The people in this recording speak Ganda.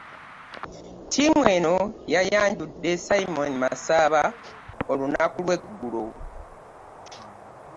Ttiimu eno yayanjudde Simeon Masaba olilinaku lw'eggulo.